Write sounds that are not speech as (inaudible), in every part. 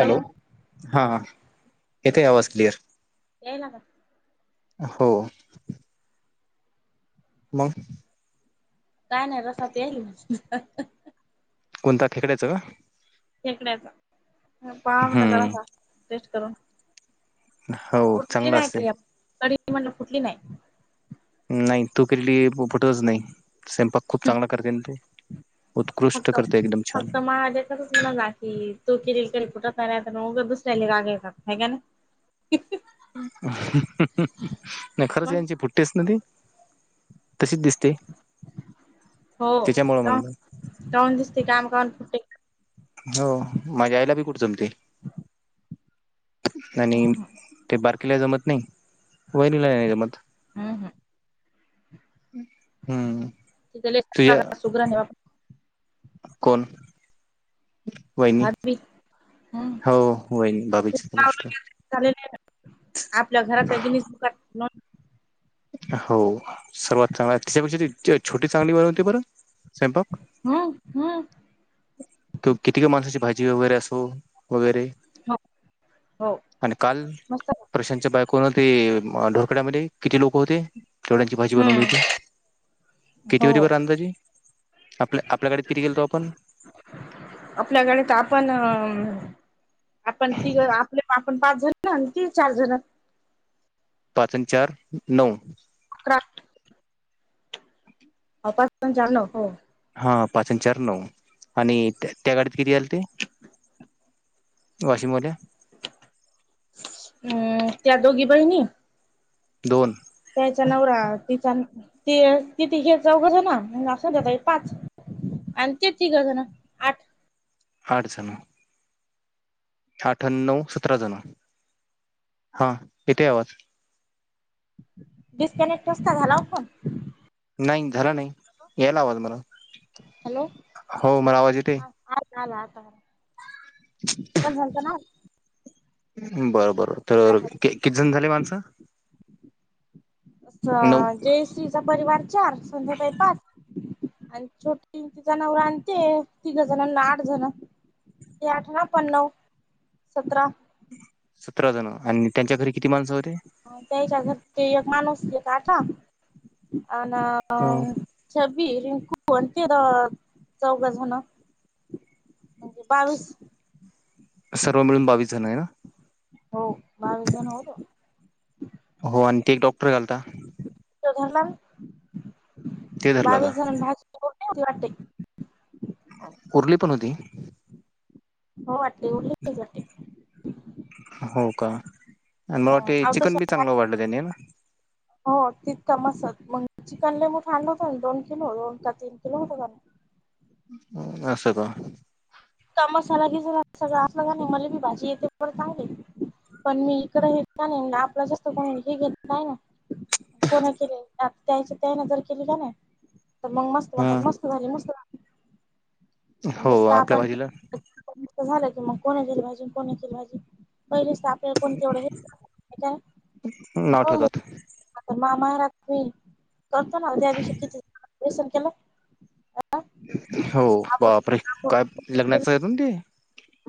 Hello हा येथे आवाज क्लिअर येनग हो मग का नाहीर सब ल कोणता ठेकड्याचं का खेकण्याचा पाहा म्हणट जरा हम्म टेस्ट करून हो चांगलं असते गडी म्हण कुठली नाही नाही तू केलेली फटोच नाही स्वयंपाक खूप चांगला करते ते उत्कृष्ट करते एकदम छान म्हणाला की तू केिले करी कुठा तयार उ दुसऱ्या राग येतात ह का ना नाही खरंच मग यांची पुट्टीच ना ती तशीच दिसते त्याच्यामुळं म्हणून करन दिसते काम करून फुटे हो माझ्या आईला बी कुठचलते आणि हम्म हम्म ते बारकीला जमत नाही वैरीला नाही जमत हा हा हम्म तुझ्या सका सुुग्र नेवा कोण वहिनी बाबा भाभी हम्म हो वहिनी बाबीची गोष्ट आपल्या घरातल्या गि हो सर्वात चांगला त्याच्यापेक्षा छोटी चांगली ब होती बर स्पा हम हम कि किती का माणसाची भाजी वगैरे असो वगैरे हो हो आणिण काल मस्त प्रशांतच्या बायकोन ते ढोरकड्यामध्ये किती लोक होते तेवड्यांची भाजी हम्म बनवली होती किती होती हो बरं अंदाजी आपल्या आपल्या गाडत किती गेलतो आपण आपल्याकडे तर आपण आपण ती आपले पण पाच जण की चार जण पाचन चार नऊ. (inaudible) अपासण जाल हो. हा पाच आणि चार नऊ आणि त्या गाडी्यात किती आल ते वावाशिममध्ये आहे. हम्म त्या दोघी बाईनी दोन त्याचा नवरा तिचा त तिथ हे चौघ झा ना असंता पाच आणि ते ठीकतं ना आठ. आठ सल अठण्णव सतरा जण हा इथे आवाज डस्कनेक्ट असता घालाव फण नाही झालं नाही यायला आवाज मला हॅलो. हो मला आवाज येते चाल आता पण झालत ना. बर बर तर किती जण झाले माणसं. नऊ जयश्रीचा परिवार चार संध्याताळी पाच आणि छोटी तिं नवर आणते तिघ जणांना आठ जण तेठरा पणव सतरारा सतरा जण आणि त्यांच्या घरी किती माणसं होते त्याच्या घर ते एक माणूस काठा अ छबी रिंकू अते चौघ झाण. म्हणजे बावीस सर्व मिळून बावीस जण आहे ना. हो बावीस जण होत. हो आणि ते एक डॉक्टर घालता. रला ते धरला का? बावीस जण भा वाट. उरली पण होती. हो वाटते उललेखले जाते. हो का आणि मला ते अवत चिकन बी चांगलं वाढलं त्यानी ना. हो तितकाम असत मग चिकन लेंबू थांड होतं ना दोन किलो दोन का तीन किलो होत. ् अससं का? मसाला घिसला सगळ असलं का नाही मला मी भाजी येते ब चांगली. पण मी इकडें हेेत नाही आपला जास्त कोणी हे घेत नाही ना. कोणा केले त्याची त्या नजर केली का नाही. तर मग मस्त म ह मस्त झाली हो मस्तस्त आपल्या आपण भाजीला झालं की मग कोणी केलं पाहिजे कोणी केलं पाहिजे पहिलीच. कोण तेवढं का नाव हो. ठेवतात आता मा महाराजई करतो ना त्या दिवशी किती? वसन केला अ. हो बापरे काय लग्नाचं येत ते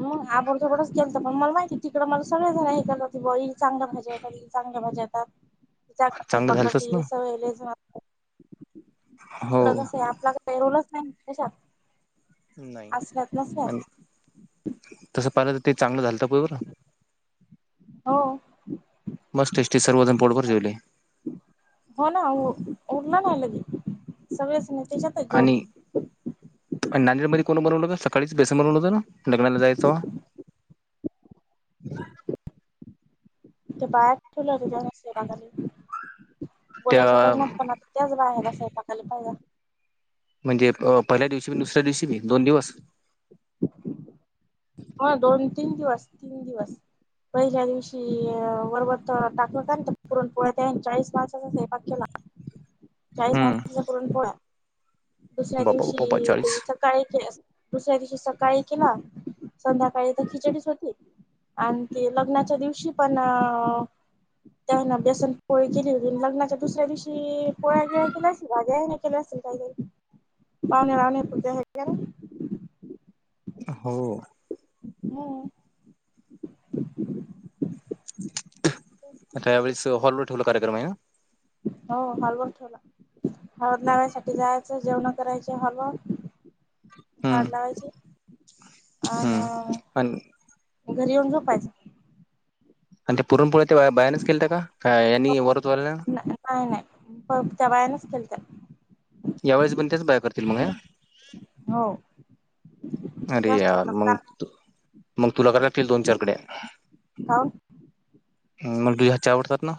हम आपण तकडच गेल तर पण मला माहिती तिकडं मला सगळे झालं हे का ती बही चांगल्या भाज्या येतात चांगल्या भाज्या येतात चांगलं झालतच ना पकडते सय. हो इकडं कस आहे आपला काही रूलच नाहीशात नाही आणि तसं पाहिलं तर ते चांगलं झालं तर प बरं. (unintelligible) हो. मस् टेस्टी सर्वज पड बरेवली. हो ना उरला नाही लगे सगळेच नाही. त्याच्यातच आणि जेवले नांदेडमध्ये कोण बरवून होत सकाळीच बेसन बरवून होतं ना. लग्नाला जायचो ते बाहेर ठला र जा बाघा बोलायच्या त्या लग्नात पण आता त्याच बा आहे असहेपाकायला पाहिजे म्हणजे पहिल्या दिवशी म दुसऱ्या दिवशी मी दोन दिवस ह दोन तीन दिवस तीन दिवस पहिल्या दिवशी वरबत टाकलं का पुरण पुळ्या त्या चाळीस पासाचा सहभाग केला चाळीस हम्म मासाांचा पुरण पोळा्या दुसऱ्या बापा बापा चाळीस दिवशी सकाळी के दुसऱ्या दिवशी सकाळी केला. संध्याकाळी तर खिचडीच होती आणि तेी लग्नाच्या दिवशी पण अ त्यान व्यासन पोळी केली होती लग्नाच्या दुसऱ्या दिवशी पोळ्या गिळ्या केल्या असेल वाज्याने केल्या असेल. पावणे राहणे पूज्या हग ना. हो. हा. आ त्यावेळीस हॉलवर ठेवला कार्यक्रम आहे ना. हो भल करतला. हळद लागयसाठीठी जायचं जेवण करायच हवं. हड हम्म लावायचे हम्म अ आणि घरी येऊन झोपायच. आणि ते पुरण पुढे ते बाहेनच गेलत का हो यांनी वरत वला. नाही नाही त्या वयानच केल त्या यावेळेस पण तेच बाय करतील मग या. हो. अरे त्याच या ठेवला कारण मग मग तुला कील दोन चारकडे. ह. मग तुझ्या हातच्या आवडतात ना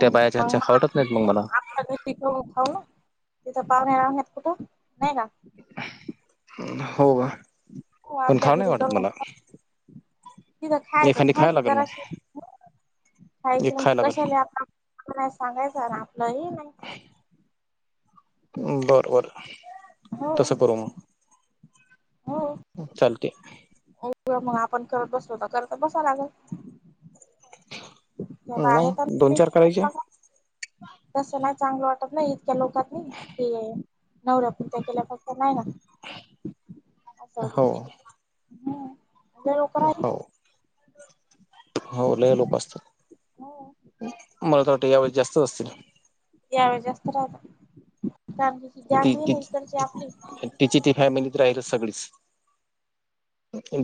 त्या बायाच्या हातच्यावडत नाही मग मला. पिकव खाऊ ना तिथं पाहुणेणारहत कुठं नाही का. होव. हो आपल्या घरी का. तिथं खायचं एखादी खायला खायचं लागेल जरा मग खायच एक खायला कशाला आप नाही सांगायचं ना आपलं ह नाही. बर बर. हो तस करू मग चालते. अ मग आपण करत बसलो तर करत बसाव लागेल. तेव्हा आहे. नाही दोन चार करायच्या तस नाही चांगलं वाटत नाही इतक्या लोकात नाही ते. नवऱ्या पतत्या केल्या फक्त नाही ना असं हो होत. हम जर लोक राहि. हो हो ले हे लोक हो असतात मला तर वाटत या वेळे जास्तच असतील. यावे जास्त राहत कारची जाग ती आहे ना इकडची ती आपली. तिची ती फॅमिलीत राहिल सगळीच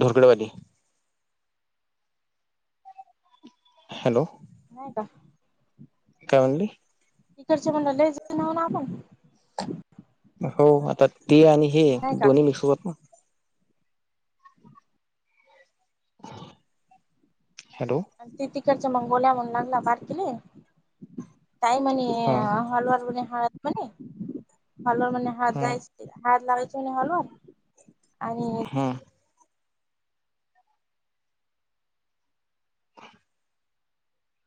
ढोरगडवाली. हॅलो. नाही का. काे म्हली इकडच म्हण लले ना ना आपण. हो आता ते आणि हे नाही का दोन्ही मिसूत ना. हॅलो. ते तिकडच्या मंगोल्या म्हण लागला पारकले ताई म्हण हा हलवार म ह म हलुवार म हात हा जाय. हात लागयच आणि हलवर आणि. हा.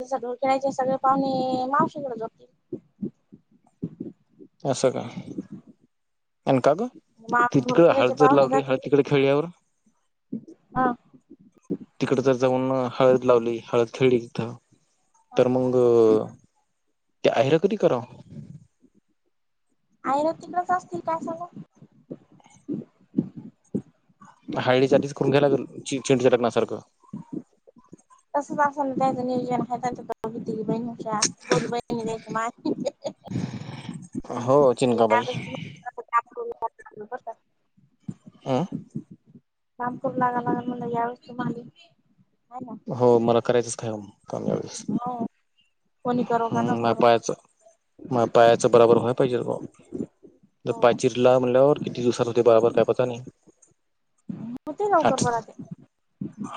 जस ढोळ खेळायचे सगळे पाहुणे माव शिक जो. अस स का एनका ग. ती मावशी तिकड हळ ढोरखेड्याचे जर पाहुणे लावली हळ जातील तिकडे खेळल्यावर. हा. तिकड तर जाऊन हळद लावली हळद खथेळली किथं. तर मग त्या रा कधी करा. आयर तिकडच असतील काय सगं. हळडीसाठीच करून घ्यायला चिडच लगनासारखं. तसच असा ना त्याच नियोजन दोघ तीन बहिणीश्या दोघी बहिणी द्यायच्या मा. हो चिंका बाई. तुम्हाला काम करू लागलं बरं का आह. काम करू लागाग मुला या व तु मा आहे ना. हो मला करायचंच काय काम याज. ना हो. कोणी करो का हम् न म करो पायाचं म पायाचं बराबर होय पाहिजेत भाऊ. तर हो पायचिरला म्हटल्यावर किती दिवसात होते बराबर काय पत नाही. हो ते लवकर आठ बरा ते.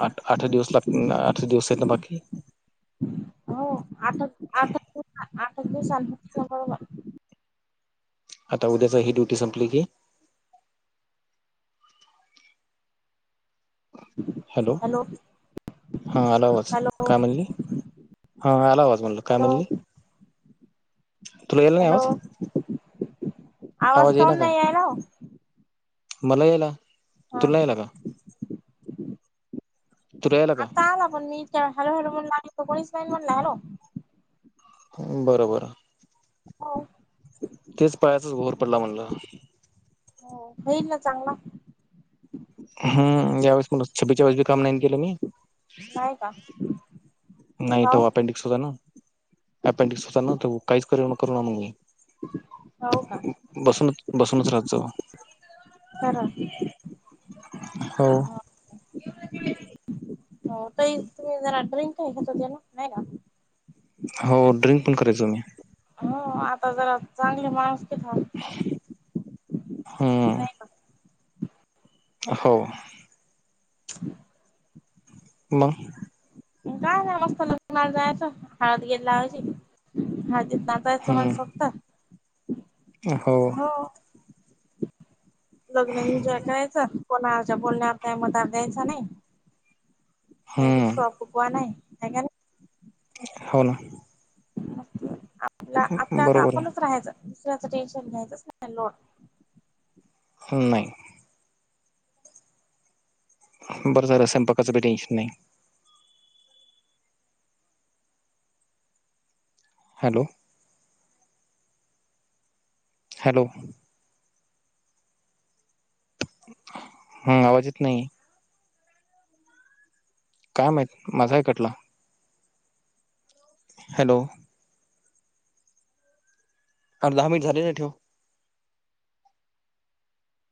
आठ आठरा दिवस लाग आठ दिवस आहेत ना बाकी. हो आता. आता. सांनग. आता उद्याचा ह ड्युटी संपली की. हॅलो. हां आलावाज हॅलो काय म्हणली हां आला आवाज म्हणलं काय हॅलो म्हणली. तुला यायला नाही हॅलो आवाज आवाज येईना कान काय नाही आहे ना. मला यायला हा तुला यायला का. तुला यायला का आता आला पण मी हॅलो हॅलो म्हणला तो कोणीस महिन म्हणला हॅलो. बरोबर. हो. तेच पायाचाच घोर पडला म्हणलं. हो होईल ना चांगला. हम या वेळेसछ्बीच्या वेळेसी काम नाही केलं मी. नाही का नाही त काऊन वापिड. अपेंडिकस होता ना काही कर कर ना मग. हो का बसूनच बसूनच राहत जाव. तररा. हो. हो का तुम्ही जराड्रिं का ख ना नाही का. हो ड्रिंक पण करायचो मी. हो आता जरा चांगले माणूस केत हम्म नाही का. हो. (inaudible) ह. का नाही मस्त लोक मार जायच हळद गेरला हची हळदी. जायच म्हण हम्म शकता. हो. हो. लग्न एन्जॉय करायचं कोणाच्या बोलण्यावर काही मतार द्यायचा नाही. का रु स हम्म कवा नाही आहे का. हो ना. मस्त आपलं आता बरोबर आपणच राहायचं दुसऱ्याच टेन्शन घ्यायचंच नाही लोन.. नाही.. बरं सर असयंपाकाचंही टेनशन नाही.. हॅलो.. हॅलो.. हम् आवाजेत नाही.. काय माहीत माझाही कटला. हॅलो. अ दहा मिनट झाले ना ठेव.